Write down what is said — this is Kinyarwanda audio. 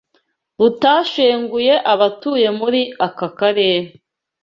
rutashenguye abatuye muri aka karere